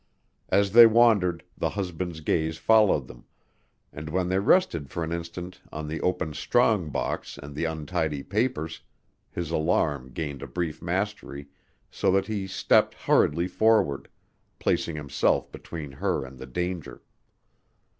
As they wandered, the husband's gaze followed them, and when they rested for an instant on the open strong box and the untidy papers, his alarm gained a brief mastery so that he stepped hurriedly forward, placing himself between her and the danger.